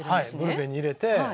ブルペンに入れて。